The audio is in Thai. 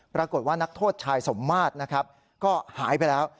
ปรากฏว่านักโทษชายสมมาตรนะครับก็หายไปแล้ว